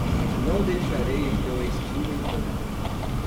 Não deixarei que o estimem tanto